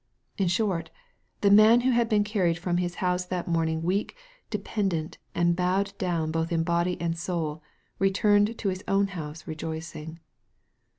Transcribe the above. In short, the man who had been carried from his house that morning weak, dependent, and bowed down both in body and soul, re turned to his own house rejoicing.